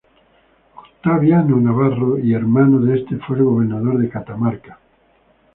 Octaviano Navarro y hermano de este fue el gobernador de Catamarca Dr.